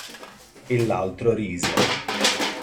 E l'altro rise.